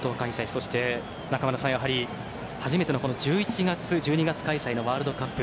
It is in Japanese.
そして中村さん、やはり初めての１１月、１２月開催のワールドカップ。